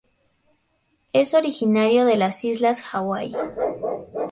Es originario de las islas Hawai.